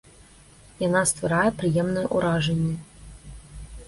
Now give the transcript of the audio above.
Яна стварае прыемнае ўражанне.